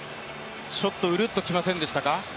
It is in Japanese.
ちょっとうるっときませんでしたか？